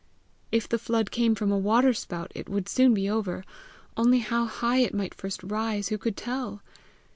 If the flood came from a waterspout, it would soon be over only how high it might first rise, who could tell!